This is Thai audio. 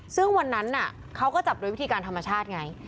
ซึ่งวันนั้นเขาก็จับโดยวิธีการธรรมชาติไง